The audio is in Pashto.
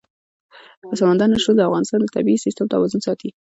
سمندر نه شتون د افغانستان د طبعي سیسټم توازن ساتي.